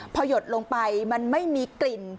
พอหยดลงไปมันไม่มีกลิ่น